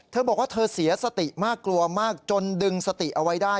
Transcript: เธอบอกว่าเธอเสียสติมากกลัวมากจนดึงสติเอาไว้ได้